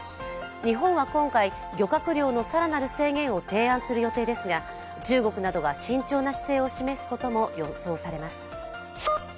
日本は今回、漁獲量の更なる制限を提案する予定ですが、中国などが慎重な姿勢を示すことも予想されます。